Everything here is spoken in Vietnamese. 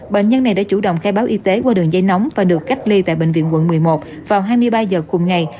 bệnh nhân này đã chủ động khai báo y tế qua đường dây nóng và được cách ly tại bệnh viện quận một mươi một vào hai mươi ba h cùng ngày